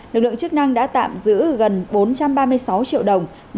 lực lượng chức năng đã tạm giữ gần bốn trăm ba mươi sáu triệu đồng